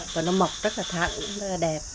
và nó mọc rất là thẳng rất là đẹp